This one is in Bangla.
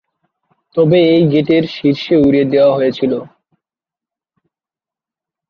তবে এই গেটের শীর্ষ উড়িয়ে দেওয়া হয়েছিল।